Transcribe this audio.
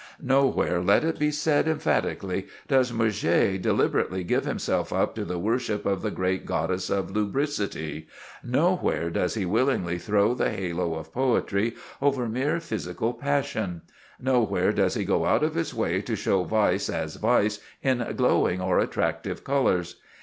Nowhere, let it be said emphatically, does Murger deliberately give himself up to the worship of the great Goddess of Lubricity; nowhere does he willingly throw the halo of poetry over mere physical passion; nowhere does he go out of his way to show vice as vice in glowing or attractive colors.